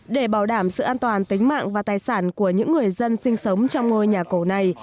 để bảo đảm sự an toàn tính mạng và tài sản của những người dân sinh sống trong ngôi nhà cổ này